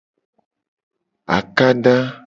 Akada.